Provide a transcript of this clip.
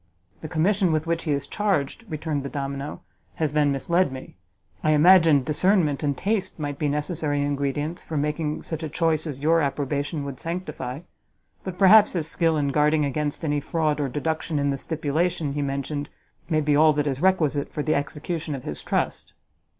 "The commission with which he is charged," returned the domino, "has then misled me; I imagined discernment and taste might be necessary ingredients for making such a choice as your approbation would sanctify: but perhaps his skill in guarding against any fraud or deduction in the stipulation he mentioned, may be all that is requisite for the execution of his trust."